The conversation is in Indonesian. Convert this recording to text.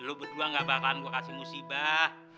lu berdua gak bakalan gue kasih musibah